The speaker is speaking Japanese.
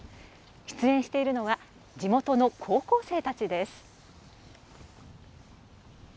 出演しているのは地元の高校生たちです。